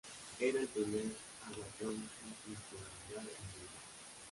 Era el primer Albatross en circunnavegar el mundo.